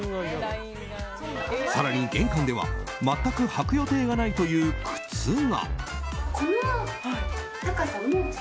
更に玄関では全く履く予定がないという靴が。